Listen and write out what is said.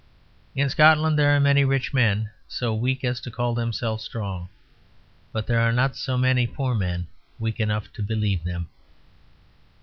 In Scotland there are many rich men so weak as to call themselves strong. But there are not so many poor men weak enough to believe them.